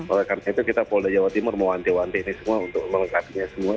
oleh karena itu kita polda jawa timur mewanti wanti ini semua untuk melengkapinya semua